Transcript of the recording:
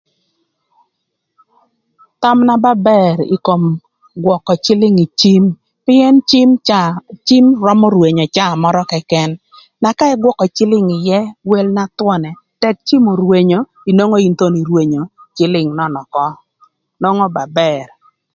Tham na ba bër ï kom gwökö cïlïng ï cim, pïën cim car cim römö rwenyo caa mörö këkën na ka ïgwökö cïlïng ïë ï wel na thwönë tëk cim orwenyo nwongo in thon irwenyo cïlïng nön ökö nwongo ba bër